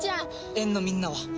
園のみんなは？